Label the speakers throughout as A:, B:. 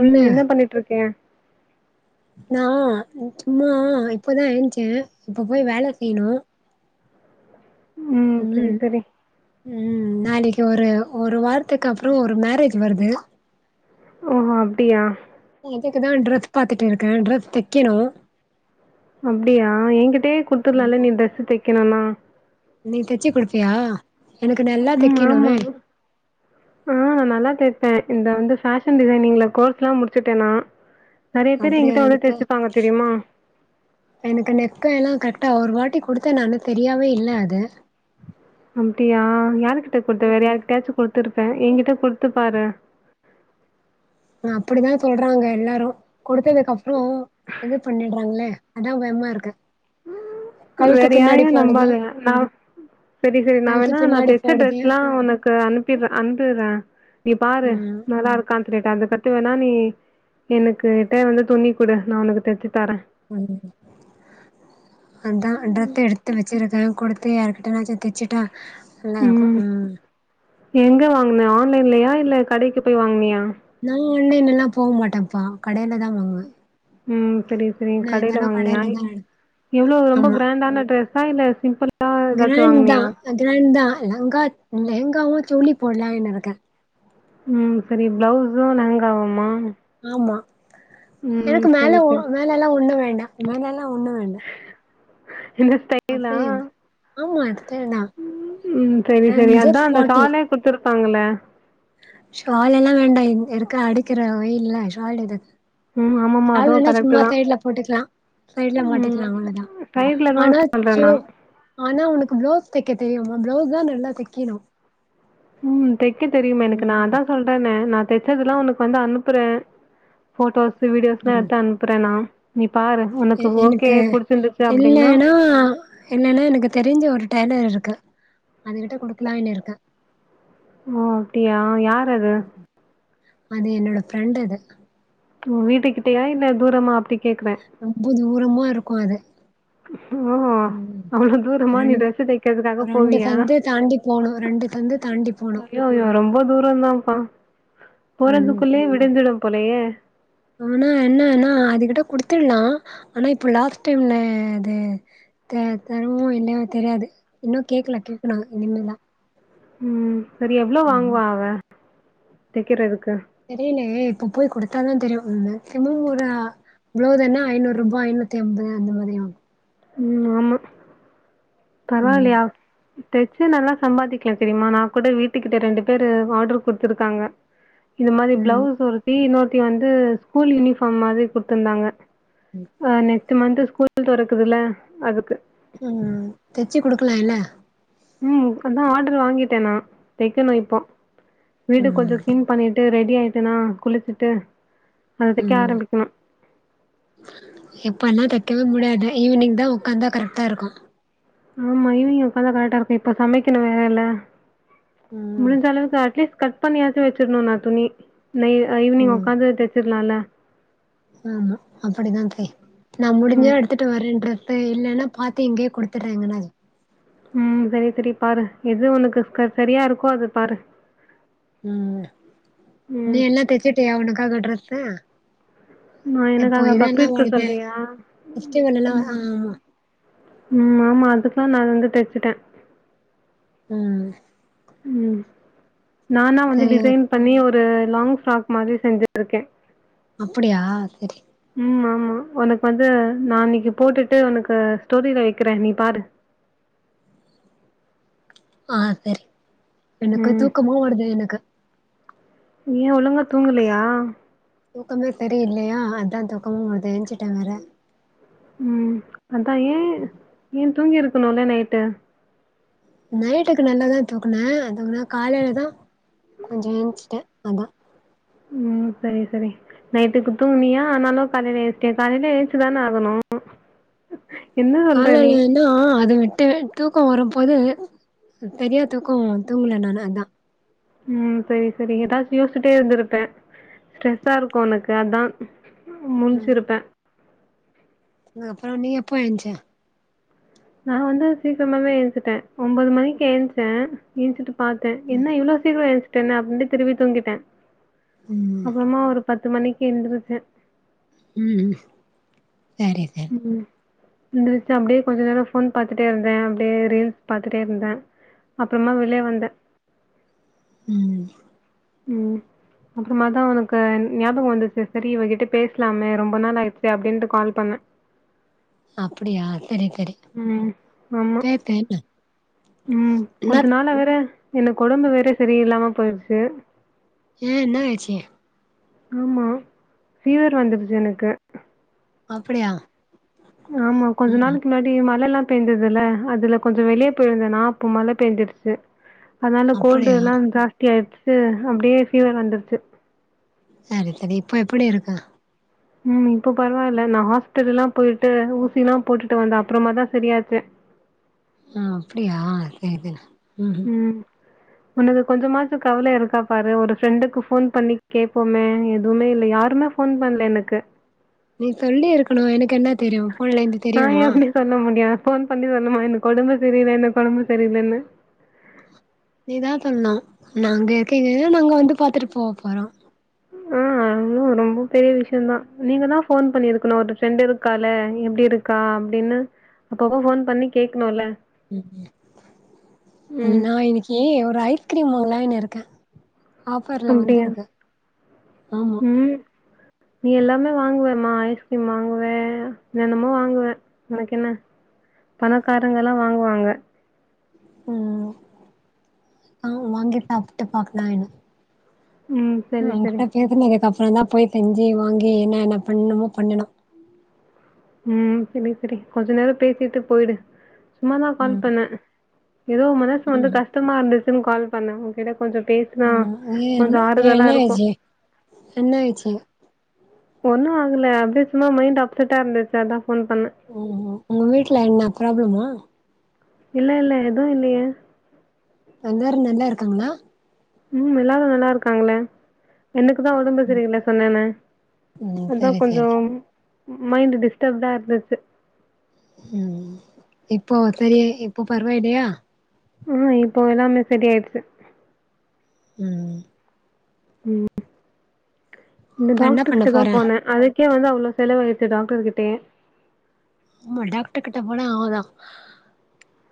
A: உம் என்ன பண்ணிட்டு இருக்கேன்
B: நான் சும்மா இப்பதான் இழுச்சேன் இப்ப போய் வேலை செய்யணும்
A: உம் சரி சரி
B: ம் நாளைக்கு ஒரு ஒரு வாரத்துக்கு அப்புறம் ஒரு மேரேஜ் வருது
A: ஓ அப்டியா
B: இதுக்குதான் ட்ரப் பாத்துட்டு இருக்கேன் ட்ரப் தைக்கணும்
A: அப்படியா என்கிட்டே குடுத்துலாம்ல நீ ட்ரெஸ் தைக்கணும்னா
B: நீ தச்சு குடுப்பியா எனக்கு நல்லா
A: உம் ஆமா
B: தைக்கணுமே
A: ஆஹ் நான் நல்லா தைப்பேன் இந்த வந்து பேஷன் டிசைனிங்ல கோர்ஸ் லா முடிச்சிட்டேனா
B: அப்படியா எனக்கு எனக்கு நெக்கு எல்லாம் க அா ஒரு வாட்டி கொடுத்தேன் நானும் தெரியாவே இல் அது
A: அப்படியா யாருக்கு கிட் ட்ட கொடுத்த வேற யாிட்டாச்சும் கொடுருப்பேன் என்கிட்ட கொடுத்து பாரு
B: அப்படித்தான் சொல்றாங்க எல்லாரும் கொடுத்ததுக்கு அப்புறம் இது பண்ணிடுறாங்களே அதான் பயமா இருக்கு
A: உ
B: கழுத்து
A: வேற
B: பின்னாடி
A: யாரா
B: போயிடுது
A: நம்பாத நான் சரி சரி நான்
B: கழுத்து
A: வேணா நான்
B: பின்னாடி
A: தைச்ச
B: போயிடுது
A: டிரரெஸ் எல்லாம் உனக்கு அனுப்பிடுன் அனுபடுறேன் நீ பாரு
B: ம்
A: நல்லா இருக்கான்னு சொல்லேட்ட அதுக்கு கத்துவேணா நீ எனக்குகிட்ட வந்து துணி கூடு நான் உனக்கு தெச்சு
B: உஹ தான் அன்றத்தை எடுத்து வச்சிருக்கேன் கொடுத்து யாருக்கிட்ட நாச்ச தச்சிட்டா
A: உம் எங்க வாங்க ஆன்லைன்லையா இல்ல கடைக்கு போய் வாங்கினியா
B: நா ஆன்லைன்ல எல்லா போக மாட்டம்ப்பா கடையிலதா வாங்குவே
A: உம் சரி சரி
B: என்ன
A: கடையில
B: இருந்தாலு
A: வாங்னியா
B: கடைல தா எடு
A: எவ்ளோ ரொம்ப கிராண்டான ட்ரெஸ் ச இல்ல சிம்பிள்
B: கிராண் தா கிராண் தா லகா லெகங்காவு சோளி போட்லானு இருக்கே
A: உம் சரி பிளவுஸு லெகங்காவுமா
B: ஆமா எனக்கு மேல ஒ
A: சரி
B: மேலலா ஒண்ணு வேண் அ நக எல்லா ஒண்ணு வேண்டா
A: உஹ
B: அப்டியே ஆமா எடுத்தேனா
A: [unintelligible] செரி
B: ஐ அம்
A: செரி அதா
B: ஜஸ்ட்
A: அந்த
B: ஃபார்ட்டி
A: [unintelligible] ப்பாங்கல்ல
B: ஷால் எல்லா வேண்டா இத் இருக்க அடிக்கிற வெயில்ல ஷால் எதுக்கு
A: ம் ஆமாமா அதுவு
B: ஷாலுனா
A: கரெக்ட்டு
B: சும்மா
A: தா
B: சைடு்ல போட்டுகலா சைடுல
A: ம்
B: மாட்டிகலா அவ்லோதா
A: சைட்ல தா
B: ஆனா
A: சொல்றே
B: சோ
A: நா
B: ஆனா உனக்கு பிளஸ் தெக்க தெரியுமா பிளவுஸ்தா நல்லா தெக்கனு
A: உம் தெக்க தெரியுமே எனக்கு நாந்தா சொல்றேனே நா தெச்சதெல்லா உனக்கு வந்து அனுப்புறே ஃபோட்டோஸ் வீடியோஸ்லா எடுத்து அனுப்புறே நா நீ பாரு
B: எ
A: உனக்கு ஓகே
B: எனக்கு
A: புடிச்சிருந்துச்சு அப்டின்னா
B: இல்லனா இல்லனா எனக்கு தெரிஞ்ச ஒரு டெய்லர் இருக்க அதுகிட்ட கொடுக்கலாயினுருக்கே
A: ஓ அப்டியா யாரது
B: அது என்னோட ஃப்ரெண்டது
A: உ வீட்டுக்கிட்டயா இல்ல தூரமா அப்டி கேக்குறே
B: ரொம்ப தூரமா இருக் கோறு
A: ஓ அவ்ளோ தூரமா நீ
B: ரெண்
A: ட்ரஸ்ஸு தெக்கிறதுக்காக
B: ரெண்டு
A: போவியா
B: சந்து தாண்டி போணு ரெண்டு சந்து தாண்டி போணு
A: ஐயோயோ ரொம்போ தூரந்தாம்பா
B: உம்
A: போலயே
B: ஆனா என்னனா அதுகிட்ட குடுத் த்துல்லா ஆனா இப்ப லாஸ்ட் டைம்ல அது த தருமோ இல்லையோ தெரியாது இன்னு கேக்ல கேக்னு இனிமேதா
A: உம் சரி எவ்ளோ வாங்குவா அவ தெக்கிரதுக்
B: தெரியலேயே இப்ப போய் கொடுத்தாதா தெரியு அ மேக்சிமோ ஒரு ப்ளவுஸுனா ஐநூர்ரூபா ஐநூத்தி அம்பது அந்த மாரி ஆகு
A: உம் ஆமா
B: ம்
A: பரவாயில்லையா தச்சா நல்லா சம்பாதிக்கலாம் தெரியுமா நான் கூட வீட்டுக்கிட்ட ரெண்டு பேரு ஆர்டர் குடுத்திருக்காங்க இது மாதிரி
B: ம்
A: ப்ளவுஸ் ஒருத்தி இன்னொரு த்தி வந்து ஸ்கூல் யூனிபார்ம் மாதிரி கொடுத்திருந்தாங்க அஹ் நெக்ஸ்ட் மந்த் ஸ்கூல் தொறக்குதுல அதுக்கு
B: உஹம் தச்சு குடுக்கலாம் இல்ல
A: உம் இப்பதான் ஆர்டர் வாங்கிட்டேன் நான் தைக்கணும் இப்போ வீடு
B: ம்
A: கொஞ்சம் கிளீன் பண்ணிட்டு ரெடி ஆயிட்டனா குளிச்சுட்டு அது தக்க
B: ம்
A: ஆரம்பிக்கலாம்
B: இப்பெல்லாம் தைக்கவே முடியாது ஈவினிங் தான் உட்காந்தா கரெக்ட்டா இருக்கும்
A: ஆமா ஈவிங் உட்காந்தான் கரெக்டா இருக்கும் இப்ப சமைக்கணும் வேற இல்ல
B: ம்
A: முடிஜ்ச அளவுக்கு அட்லிஸ் கட் பண்ணியாச்சி வச்சிருணும் நா துணி ஈவினிங் உட்காந்து தச்சிடலாம்ல [inaudible]
B: உம் அப்படிதான் நான் முடிஞ்சா
A: ம்.
B: எடுத்துட்டு வரேன்றார் இப்ப இல்லைன்னா பார்த்து இங்கேயே குடுத்துட்ரேகுரார்
A: உம் சரி சரி பாரு எது உனக்கு சரியா இருக்கோ அது பாரு
B: உம் நீ
A: ம்.
B: எல்லாம் தச்சுட்டியா உனக்காக ட்ரஸ் ஆஹ
A: நா எனக்காக பக்ரீத் சொல்றியா
B: ஃபெஸ்டிவல் எல்லா ஆமா
A: உம் ஆமா அதுக்கு நான் அத வந்து தச்சுட்டேன்
B: உஹம்
A: உம் நானா வந்து
B: சரி ஓ
A: டிசைன் பண்ணி ஒரு இந்த லாங் ப்ராக் மாதிரி செஞ்சுட்டு இருக்கேன்
B: அப்படியா சரி
A: ம் ஆமா உனக்கு வந்து நான் இன்னைக்கு போட்டுட்டு உனக்கு ஸ்டோரியில வைக்கிறேன் நீ பாரு
B: ஆஹ் சரி எனக்கு
A: ம்.
B: தூக்கமா வருது எனக்கு
A: ஏன் ஒழுங்க தூங்கலையா
B: தூக்கமே சரி இல்லையா அதான் தூக்கமும் வருது எந்திருசிட்டேன் வேற
A: உம் அதான் ஏன் ஏன் தூங்கி இருக்கணும்ல நைட்டு
B: நைட்டுக்கு நல்லாதான் தூக்குனேன் தூக்குனா காலையிலதான் கொஞ்சம் ஏச்சுிட்டேன் அதான்
A: ம் செரி செரி நைட்டுக்கு தூங்கினியா ஆனாலும் காலயில ஏன்சிட்டேன் காலயில ஏன்ச்சுதானே ஆகணும் என்ன சொல்ற நீ?
B: காலைலனா அத விட்டு விட்டு தூக்கம் வரும்போது பெரிய தூக்கம் தூங்கல நா அதான்
A: ம் செரி செரி ஏதாச்சும் யோசிட்டே இருந்திருப்பே ஸ்ட்ரெஸ்ஸா இருக்கும் உனக்கு அதான் முஞ்சுருப்பேன்
B: அப்பறம் நீ எப்போ ஏன்ச்சா
A: நான வந்து சீக்கிரமாவே எழுன்துட்டேன் ஒன்பது மணிக்கு எழுந்திச்சே எஞ்சிட்டு பாத்தேன் என்ன இவ்ளோ சீக்கிரம் ஏன்ட அப்டின்னுட்டு திரும்பி தூங்கிட்டேன்
B: ம்
A: அப்பறமா ஒரு பத்து மணி எந்திரிச்சேன்
B: ம் செரி செரி
A: எந்திரிச்சி அப்டியே கொஞ்ச நேரம் போன் பாத்துட்டே இருந்தேன் அப்டியே ரீல்ஸ் பாத்துட்டே இருந்தேன் அப்பறமா வெளிய வந்தேன்
B: ம்
A: ம் அப்பறமா தான் உனக்கு ஞாபகம் வந்துச்சு செரி இவகிட்ட பேசலாமே ரொம்ப நாள் ஆயிடுச்சு அப்டின்னுட்டு கால் பண்ணேன்
B: அப்டியா சரி சரி
A: ம் ஆமா
B: பேசேன்ன
A: ம்
B: என்னா
A: கொஞ்ச நாள வேற எனக்கு உடம்பு வேற செரியில்ல்லாம போயிருச்சு
B: ஏ என்ன ஆச்சி
A: ஆமா பீவர் வந்துருச்சு எனக்கு
B: அப்டியா
A: ஆமா கொஞ்ச
B: ம்
A: நாலுக்கு முன்னாடி மழ எல்லாம் பெஞ்சுததுல அதுல கொஞ்ச வெளிய போயிருந்தேனா அப்போ மழ பெஞ்சுடுச்சு அதனால கொல்டு
B: அப்டியா
A: எல்லாம் ஜாஸ்தி ஆயிடுச்சு அப்டியே பீவர் வந்துருச்சு
B: செரி செரி இப்ப எப்டி இருக்கு
A: ம் இப்போ பரவாயில்ல நான ஹாஸ்பிடல்ல எல்லாம் போயிட்டு ஊசி எல்லா போட்டுட்டு வந்தேன் அப்பறமாதான் செரியாச்சே
B: ஹா அப்டியா செரி செரி
A: ம் உனக்கு கொஞ்ச மாச கவல இருக்கா பாரு ஒரு ப்ரெண்டுக்கு போன் பண்ணி கேட்போமே எதுவுமே இல்ல யாருமே போன் பண்ணல எனக்கு
B: நீ சொல்லி இருக்கணும் எனக்கு என தெரியும் [unintelligible] தெரியுமா
A: போன் பண்ணி வரணுமா எனக்கு உடம்பு செரியல என்ன உடம்பு செரியலன்னு
B: நீதான் சொல்லனும் நாங்க இருகிக நாங்க வந்து பாத்துட்டு போக போறோம்
A: ஹா ஆளு ரொம்ப பெரிய விசயம் தான் நீங்க தான் போன் பண்ணிருக்கணும் ஒரு ப்ரெண்ட் இருக்காலே எப்டி இருக்கா அப்டின்னு அப்பப்ப போன் பண்ணி கேக்கணும்ல
B: ம்
A: ம்
B: நா இன்னைக்கு ஒரு ஐஸ்கிரீம் வாங்கன இருக்கேன் ஆஃபர்ல
A: அப்டியா
B: வந்துருக்கு ஆமா
A: ம் நீ எல்லாமே வாங்குவமா ஐஸ்கிரீம் வாங்குவே வேனுமோ வாங்குவே உனக்கு என்ன பணக்காரங்கலாம் வாங்குவாங்க
B: உம் ஆஹ் வாங்கி சாப்ட்டு பாக்கலாம் இரு
A: ம் சரி
B: உம்
A: சரி
B: உகிட்ட [unintelligible] அப்பறம் தான் போய் செஞ்சு வாங்கி என்ன என்ன பண்ணுமோ பண்ணணும்
A: உம் சரி சரி கொஞ்சம் நேரம் பேசிட்டு போயிடு சும்மாதான் கால்
B: ம்
A: பண்ணே ஏதோ மனசு வந்து கஷ்டமா இருந்துச்சு கால் பண்ண உ கிட்டஜ
B: உஹம் ஏ என்ன ஏ
A: இருக்கும்
B: என்னச்சு என்னச்சு
A: ஒண்ணும் ஆகல அப்டியே சும்மா மைண்ட் அப்செட்டா இருந்துச்சு அதான்
B: ம் உங்க வீட்டுல என்ன ப்ராப்ளமா
A: இல்ல இல்ல எதும் இல்லையே
B: எல்லாரும் நல்லா இருக்காங்களா
A: உம் எல்லாரும் நல்லா இருக்காங்களே எனக்கு தான் வொடம்பு சரியில்ல சொன்னேன்னே
B: ம்
A: அதான்
B: சரி சரி
A: கொஞ்சம் மைண்டு டிஸ்டரப்டா இருந்துச்சு
B: உம் இப்போ சரி இப்போ பரவாயலையா
A: உம் இப்போ எல்லாமே சரிய ஆயடுச்சு
B: உம்
A: உம்ஃ இந்த
B: இப்ப என்ன
A: டாக்டர்
B: பண்ண
A: கிட்ட
B: போற
A: தான் போனேன் அத கக்கே வந்து அவ்ளோ செலவாயிருச்சு டாக்டர்கிட்டேயே
B: ஆமா டாக்டர் கிட்ட போன ஆதான்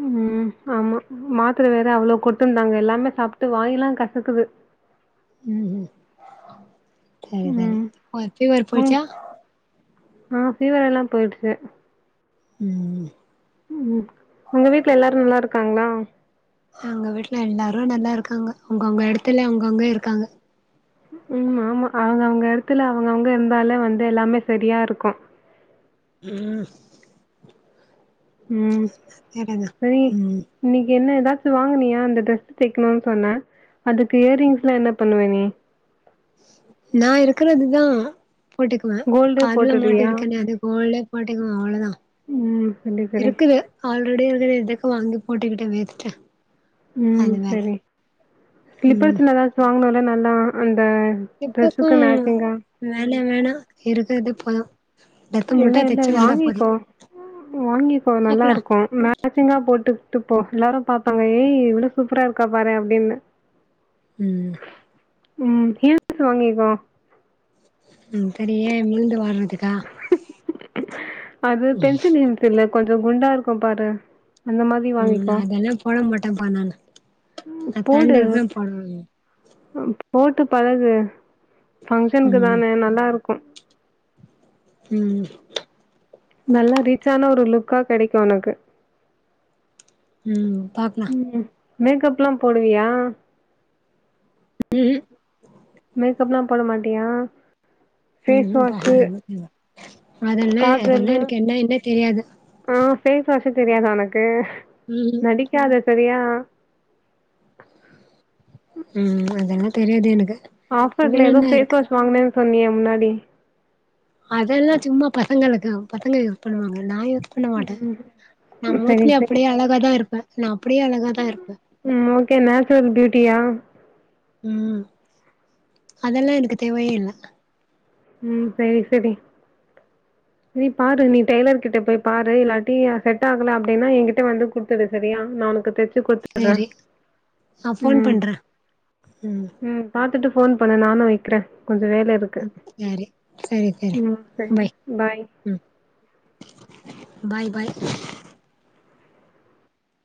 A: உம் ஆமா மாத்திர வேற அவ்வளவு கொட்டும்ந்தாங்க எல்லாமே சாப்பிட்டு வாங்கிலாம் கசக்குது
B: உம் உம் சரி சரி
A: ம்
B: [unintelligible] ஃபீவர் போயிருச்சா
A: ஆஹ் ஃபீவர் எல்லாம் போயிருச்சு
B: உம்
A: உம் உங்க வீட்டுல எல்லாரும் நல்லா இருக்காங்களா
B: அங்க வீட்டுல எல்லாரும் நல்லா இருக்காங்க அவங்கவுங்க இடத்துல அவங்க அங்க இருக்காங்க
A: உம் ஆமா அவங்க அவங்க இடத்துல அவங்கவுங்க இருந்தாலே வந்து எல்லாமே சரியா இருக்கும்
B: உம்
A: உம் சரி
B: ம்
A: இன்னைக்கு என்ன ஏா அது வாங்குனியா அந்த டிரெஸ் தக்கணும்னு சொன்ன அதுக்கு இயரிங்ஸ்லாம் என்ன பண்ணுவ நீ
B: நான் இருக்கறதுதான் போட்டுக்குவேன்
A: கோல்டு
B: அதுல மாட்டு
A: போட்டுடுவியா
B: இருக்கனே அது கோல் வாட்டைக்கு தான்
A: ம் சரி சரி
B: இருக்குது ஆள் மறுபடியடி இரு இதக்க வாங்கி போட்டிட்டே வேத்துட்ட
A: உம் செரி ஸ்லிப்பர்ஸ்ல எதாச்சும் வாங்கனும் நல்லா உம்
B: இப்பக்கும் வேல வேணாம் இருக்கிறதேபோ போதும்
A: இல்ல இல்ல வாங்கிக்கோ வாங்கிக்கோ நல்லா
B: பாக்கலா
A: இருக்கும் மேச்சிங்கா போட்டு டுப்போ எல்லாரும் பாப்பாங்க ஏய் எவ்ளோ சூப்பரா இருக்கா பாறேன் அப்டின்னு
B: உம்
A: உம் ஹில்ஷ் வாங்க்கோம்
B: உம் சரியேன் விழுந்து வாங்குனத்ததுக்கா
A: [unintelligible] அது பென்சன் ன்னிஸ் இல்ல கொஞ்சம் குண்டா இருக்கும் பாரு அந்த மாரி வாங்கிக்கோ
B: உஹம் அதெல்லாம் போட மாட்டேப்ப நானு அ
A: போடு
B: தண்டர் தான் பண்ணுவீங்க
A: போட்டு பழகு பங்ஷனுக்கு
B: ம்
A: தானே நல்லா இருக்கும் குரு
B: உம்
A: நல்ல ரீச்ச ஆன ஒரு லுக்கா கெடைக்கும் உனக்கு
B: உம் பாக்கலாம்
A: மேக்கப்ல்லாம் போடுவியா
B: உஹஹம்
A: மேக்கப்லாம் பண்ண மாட்டியா ஃபேஸ் வாஷு
B: உஹம் அதல அதெல்லாம்
A: காஜலு
B: எனக்கு என்ன என்ன தெரியாது
A: பேச்சுவாஷ் தெரியாத உனக்கு
B: ம்
A: நடிக்காத சரியா
B: உம் அதனர் தெரியாது எனக்கு
A: ஆஃபர் இல்ல
B: இதுல என்ன
A: ஏதோஃபேஸ்
B: இருக்கு
A: வாஷ் வாங்கனே சொன்னிய முன்னாடி
B: அதெல்லாம் சும்மா பசங்களுக்கு பசங்க யூஸ் பண்ணுவாங்க நான் பண்ண மாட்டேன்
A: ம்
B: நான்
A: சரி
B: மோஸ்லி
A: சரி
B: அப்படியே அழகாதான் இருப்பேன் நான் அப்படியே அழகாதான் இருப்பேன்
A: ம் ஓகே நேச்சுரல் பியூட்டியா
B: உம் அதெல்லாம் எனக்கு தேவயே இல்ல
A: உம் சரி சரி நீ பாரு நீ டெய்லர் கிட்ட போய் பாரு இல்லாட்டி செட் ஆகல அப்படின்னா என்கிட்ட வந்து குடுத்துடு சரியா நான் உக்கு தெச் கொடுத்தாறேன்
B: சேரி நா ஃபோன்
A: உம்
B: பண்றே ம்
A: உம் பாத்துட்டு போன் பண்ணன் நானும் வைக்கிறேன் கொஞ்சம் வேல இருக்கு
B: ம் சேரி சேரி சேரி
A: ம் செரி பாய்
B: ம் பாய் பாய்